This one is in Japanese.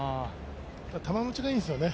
球もちがいいんですよね